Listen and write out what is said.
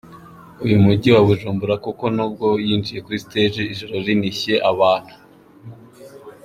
uyu mujyi wa Bujumbura kuko nubwo yinjiye kuri stage ijoro rinishye abantu.